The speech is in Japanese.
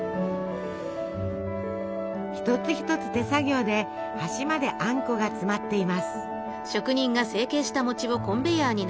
一つ一つ手作業で端まであんこが詰まっています。